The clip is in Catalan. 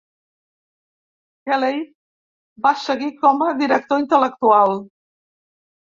Kelley va seguir com a Director Intel·lectual.